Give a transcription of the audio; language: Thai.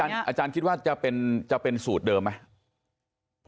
อาจารย์อาจารย์คิดว่ะจะเป็นจะเป็นสูตรเดิมไหม